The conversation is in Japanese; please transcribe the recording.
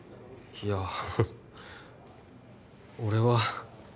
いや俺は